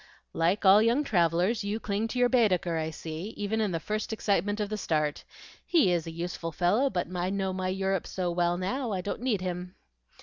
"Like all young travellers you cling to your 'Baedeker,' I see, even in the first excitement of the start. He is a useful fellow, but I know my Europe so well now, I don't need him."